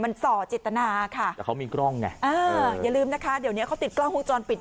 มันส่อเจตนาค่ะแต่เขามีกล้องไงเอออย่าลืมนะคะเดี๋ยวเนี้ยเขาติดกล้องวงจรปิด